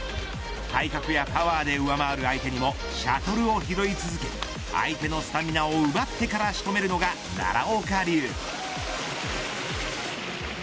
体格やパワーで上回る相手にもシャトルを拾い続け相手のスタミナを奪ってから仕留めるのが奈良岡流。